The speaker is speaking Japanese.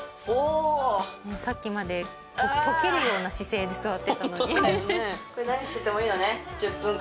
さっきまで溶けるような姿勢で座ってたのに。